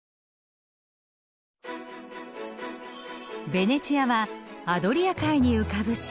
ベネチアはアドリア海に浮かぶ島。